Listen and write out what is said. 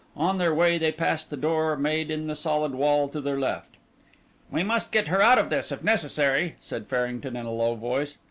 On their way they passed a door made in the solid wall to their left. "We must get her out of this, if necessary," said Farrington in a low voice.